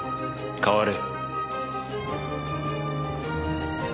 代われ。